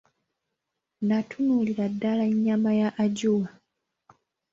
N'atunulira ddala ennyama ya Ajua.